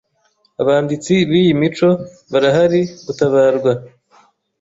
abanditsi b'iyi mico barahari gutabarwa.